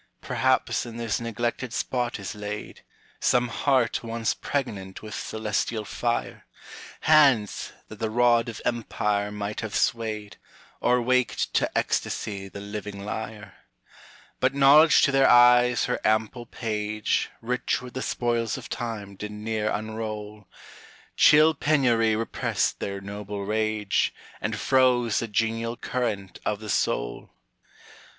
Perhaps in this neglected spot is laid; Some heart once pregnant with celestial fire; Hands, that the rod of empire might have swayed, Or waked to ecstasy the living lyre; But knowledge to their eyes her ample page, Rich with the spoils of time, did ne'er unroll; Chill penury repressed their noble rage, And froze the genial current of the soul.